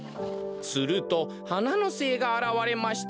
するとはなのせいがあらわれました。